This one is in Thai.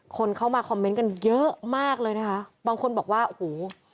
คนเข้ามาคอมเมนต์กันเยอะมากเลยนะคะบางคนบอกว่าโอ้โห